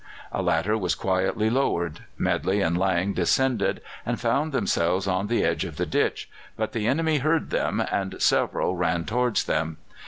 A ladder was quietly lowered, Medley and Lang descended, and found themselves on the edge of the ditch; but the enemy heard them, and several ran towards them.